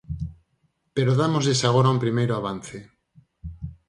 Pero dámoslles agora un primeiro avance.